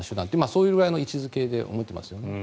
そういう具合の位置付けで思っていますよね。